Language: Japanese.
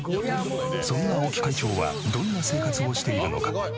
そんな青木会長はどんな生活をしているのか。